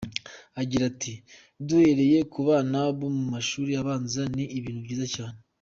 Agira ati “Duhereye ku bana bo mu mashuri abanza, ni ibintu byiza cyane.